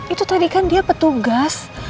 itu tadi kan dia petugas